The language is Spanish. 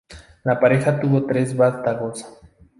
La pareja tuvo tres vástagos.